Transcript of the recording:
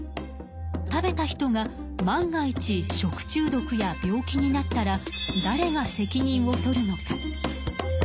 食べた人が万が一食中毒や病気になったら誰が責任をとるのか？